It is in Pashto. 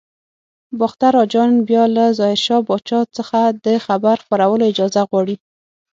باختر اجان بیا له ظاهر شاه پاچا څخه د خبر خپرولو اجازه غواړي.